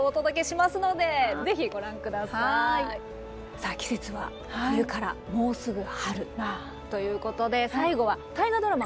さあ季節は冬からもうすぐ春ということで最後は大河ドラマ